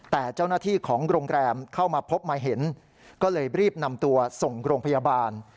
แต่เจ้าหน้าที่ของโรงแรมเข้ามาพบมาเห็นก็เลยรีบนำตัวส่งโรงพยาบาล